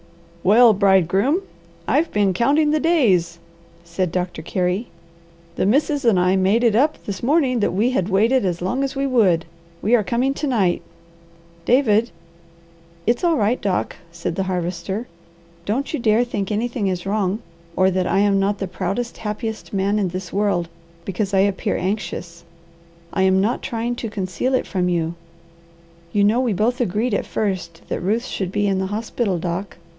"Well, bridegroom! I've been counting the days!" said Doctor Carey. "The Missus and I made it up this morning that we had waited as long as we would. We are coming to night. David." "It's all right, Doc," said the Harvester. "Don't you dare think anything is wrong or that I am not the proudest, happiest man in this world, because I appear anxious. I am not trying to conceal it from you. You know we both agreed at first that Ruth should be in the hospital, Doc.